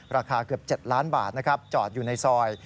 ราคาเกือบ๗ล้านบาทจอดอยู่ในซอย